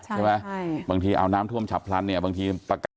ใช่ไหมใช่บางทีเอาน้ำท่วมฉับพลันเนี่ยบางทีประกาศ